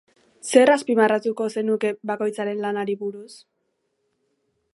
Zer azpimarratuko zenuke bakoitzaren lanari buruz?